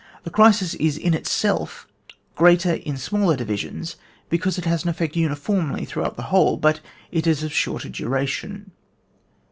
The crisis is in itself greater in smaller divisions, because it has an effect uniformly throughout the whole, but it is of shorter duration.